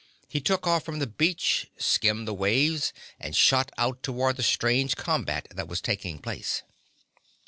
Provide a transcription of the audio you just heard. He took off from the beach skimmed the waves, and shot out toward the strange combat that was taking place.